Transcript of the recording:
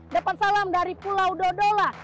depan salam dari pulau dodola